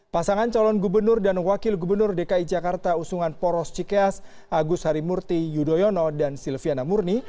pasangan calon gubernur dan wakil gubernur dki jakarta usungan poros cikeas agus harimurti yudhoyono dan silviana murni